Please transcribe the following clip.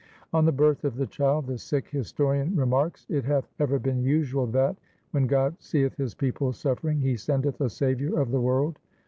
On the birth of the child the Sikh historian re marks :' It hath ever been usual that, when God seeth His people suffering, He sendeth a saviour of the world.'